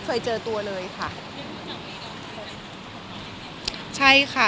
แต่เขาก็ไม่ได้เลือกวิธีนั้น